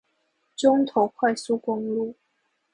中投快速公路